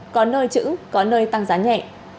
có nơi trứng có nơi tăng giá nhẹ